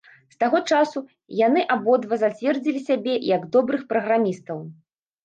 З таго часу, яны абодва зацвердзілі сябе як добрых праграмістаў.